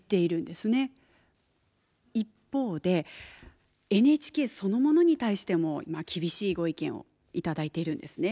一方でＮＨＫそのものに対してもまあ厳しいご意見を頂いているんですね。